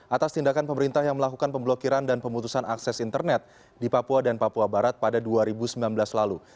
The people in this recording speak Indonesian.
atas tindakan pemerintah yang melakukan pemblokiran dan pemutusan akses internet di papua dan papua barat pada dua ribu sembilan belas lalu